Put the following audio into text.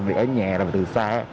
việc ở nhà làm từ xa